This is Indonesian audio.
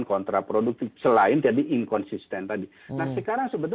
kemudian di antara kemana mana